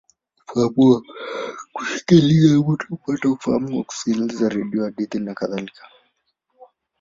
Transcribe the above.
Ufahamu wa kusikiliza: mtu hupata ufahamu kwa kusikiliza redio, hadithi, nakadhalika.